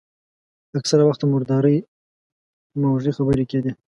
اکثره وخت د مردارۍ د موږي خبرې کېدې.